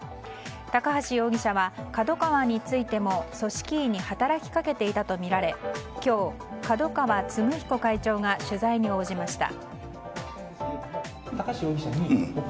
高橋容疑者はＫＡＤＯＫＡＷＡについても組織委に働きかけていたとみられ今日、角川歴彦会長が取材に応じました。